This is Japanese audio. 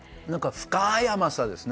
深い甘さですね。